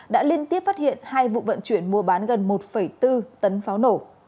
đã liên tiếp phát hiện hai vụ vận chuyển mua bán gần một bốn tấn pháo nổ